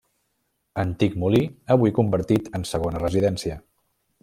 Antic molí, avui convertit en segona residència.